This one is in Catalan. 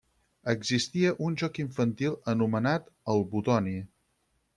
Existia un joc infantil anomenat el butoni.